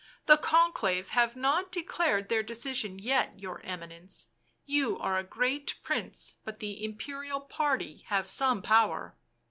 " The Conclave have not declared their decision yet, your Eminence ; you are a great prince, but the Imperial party have some power."